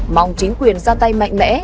mong chính quyền ra tay mạnh mẽ